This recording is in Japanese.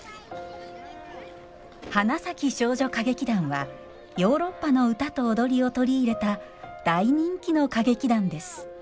花咲少女歌劇団はヨーロッパの歌と踊りを取り入れた大人気の歌劇団です